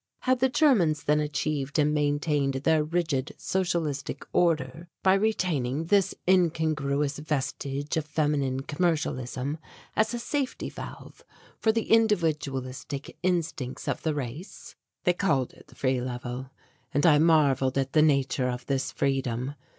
Had the Germans then achieved and maintained their rigid socialistic order by retaining this incongruous vestige of feminine commercialism as a safety valve for the individualistic instincts of the race? They called it the Free Level, and I marvelled at the nature of this freedom.